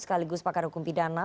sekaligus pakar pemerintah